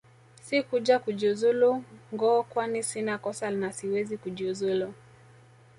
Sikuja kujiuzulu ngo kwani sina kosa na siwezi kujiuzulu